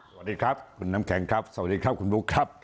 สวัสดีครับคุณน้ำแข็งครับสวัสดีครับคุณบุ๊คครับ